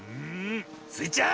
スイちゃん